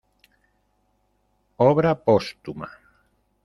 Obra póstuma.